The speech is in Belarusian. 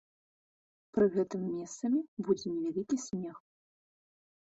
Пры гэтым месцамі будзе невялікі снег.